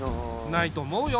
ないと思うよ。